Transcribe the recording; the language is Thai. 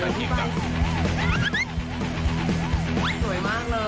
ต้อง๐๐๐นี้ต้องแชร์